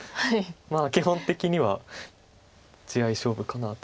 基本的には地合い勝負かなと。